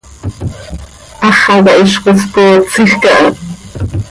Háxaca hizcoi spootsij caha.